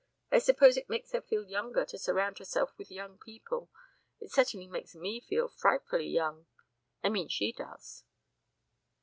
I suppose it makes her feel younger to surround herself with young people. It certainly makes me feel frightfully young I mean she does."